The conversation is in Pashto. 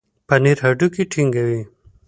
پنېر هډوکي ټينګوي.